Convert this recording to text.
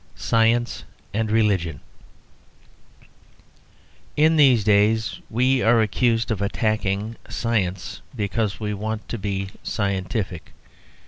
SCIENCE AND RELIGION In these days we are accused of attacking science because we want it to be scientific.